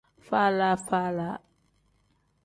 Faala-faala.